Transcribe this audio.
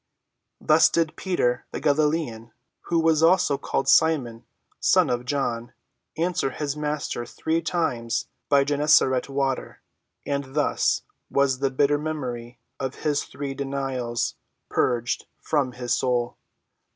Thus did Peter, the Galilean, who was also called Simon, son of John, answer his Master three times by Gennesaret water; and thus was the bitter memory of his three denials purged from his soul.